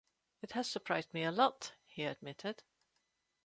"It has surprised me a lot," he admitted.